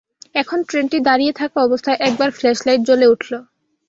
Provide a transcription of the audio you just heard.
এখন ট্রেনটি দাঁড়িয়ে থাকা অবস্থায় একবার ফ্ল্যাশলাইট জ্বলে উঠল।